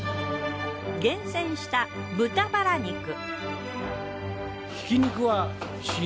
厳選した豚バラ肉。